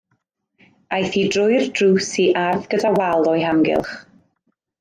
Aeth hi drwy'r drws i ardd gyda wal o'i hamgylch.